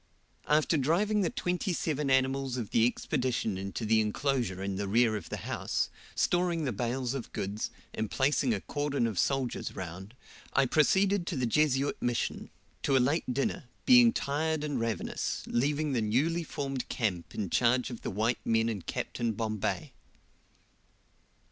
After driving the twenty seven animals of the Expedition into the enclosure in the rear of the house, storing the bales of goods, and placing a cordon of soldiers round, I proceeded to the Jesuit Mission, to a late dinner, being tired and ravenous, leaving the newly formed camp in charge of the white men and Capt. Bombay.